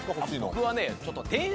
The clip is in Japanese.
僕はね